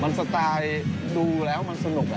มันสไตล์ดูแล้วมันสนุก